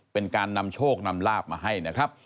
เป็นการนำโชคนำลาบมาให้นะครับ